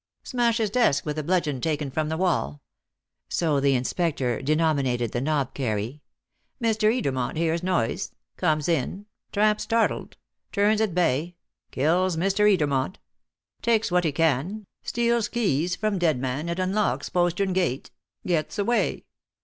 Smashes desk with the bludgeon taken from the wall" so the inspector denominated the "knobkerrie" "Mr. Edermont hears noise comes in tramp startled turns at bay kills Mr. Edermont. Takes what he can steals keys from dead man and unlocks postern gate gets away.